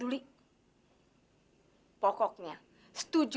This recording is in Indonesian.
aduh kau nggak ada yang ngerti i see sebenarnya maksud saya kalau ada perestaan anxiety sowie